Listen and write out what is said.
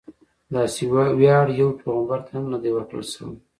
داسې ویاړ یو پیغمبر ته هم نه دی ورکړل شوی.